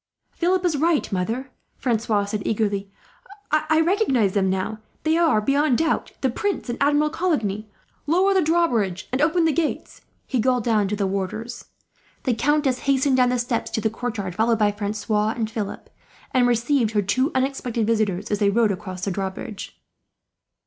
"Philip is right, mother," Francois said eagerly. "I recognize them now. They are, beyond doubt, the prince and Admiral Coligny. "Lower the drawbridge, and open the gates," he called down to the warders. The countess hastened down the stairs to the courtyard, followed by Francois and Philip, and received her two unexpected visitors as they rode across the drawbridge.